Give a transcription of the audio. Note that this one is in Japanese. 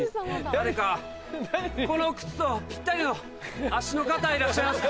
誰かこの靴とピッタリの足の方いらっしゃいますか？